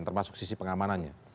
termasuk sisi pengamanannya